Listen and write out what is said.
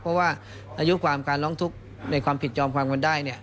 เพราะว่าอายุความการร้องทุกข์ในความผิดยอมความกันได้เนี่ย